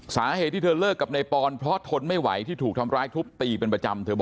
สาเหตุที่เธอเลิกกับนายปอนเพราะทนไม่ไหวที่ถูกทำร้ายทุบตีเป็นประจำเธอบอก